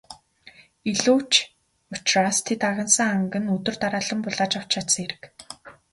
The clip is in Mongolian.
Илүү ч учраас тэд агнасан анг нь өдөр дараалан булааж авч чадсан хэрэг.